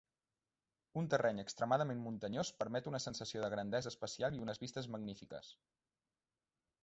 Un terreny extremadament muntanyós permet una sensació de grandesa espacial i unes vistes magnífiques.